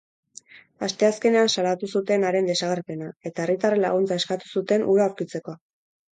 Asteazkenean salatu zuten haren desagerpena, eta herritarren laguntza eskatu zuten hura aurkitzeko.